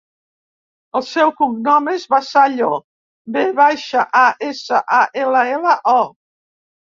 El seu cognom és Vasallo: ve baixa, a, essa, a, ela, ela, o.